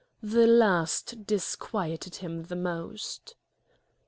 The last disquieted him the most.